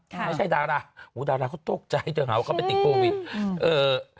ไม่ใช่ดาราดาราเขาโต๊ะใจเดี๋ยวหาว่าเขาไปติดโควิด